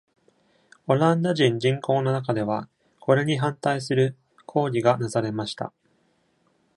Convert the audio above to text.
オランダ人人口の中では、これに反対する抗議がなされました。